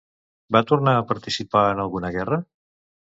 Va tornar a participar en alguna guerra?